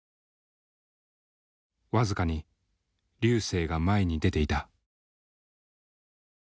僅かに瑠星が前に出ていた。